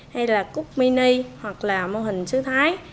hay là cút mini hoặc là mô hình sứ thái